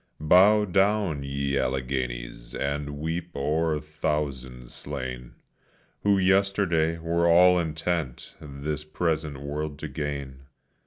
Bow down, ye Alleghenies, and weep o'er thousands slain, Who yesterday were all intent this present world to gain.